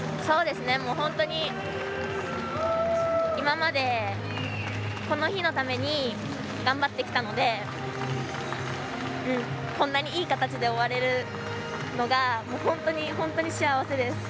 本当に今までこの日のために頑張ってきたのでこんなに、いい形で終われるのが本当に、本当に幸せです。